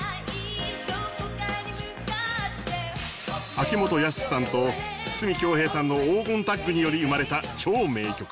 秋元康さんと筒美京平さんの黄金タッグにより生まれた超名曲。